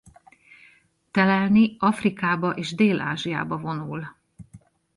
Telelni Afrikába és Dél-Ázsiába vonul.